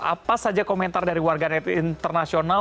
apa saja komentar dari warga net internasional